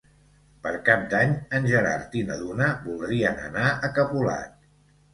Per Cap d'Any en Gerard i na Duna voldrien anar a Capolat.